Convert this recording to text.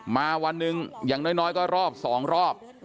มาวันหนึ่งอย่างน้อยก็รอบ๒รอบ